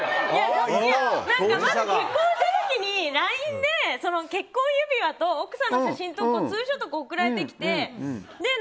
まだ結婚してない時にＬＩＮＥで結婚指輪と奥さんの写真とツーショットが送られてきて。